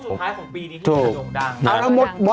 คู่สุดท้ายของปีนี้ให้มันดัง